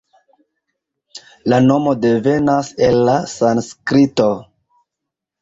La nomo devenas el la sanskrito.